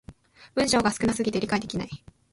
文章が少な過ぎて理解できない